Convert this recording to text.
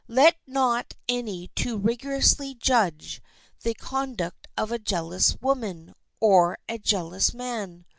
Let not any too rigorously judge the conduct of a jealous woman or a jealous man.